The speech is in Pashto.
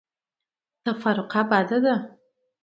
تفرقه بده ده.